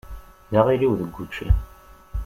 D aɣiliw deg učči.